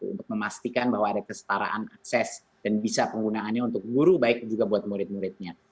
untuk memastikan bahwa ada kesetaraan akses dan bisa penggunaannya untuk guru baik juga buat murid muridnya